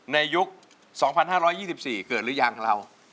ยุค๒๕๒๔เกิดหรือยังเรา